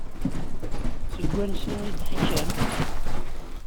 Seg wansi i d-tekkam?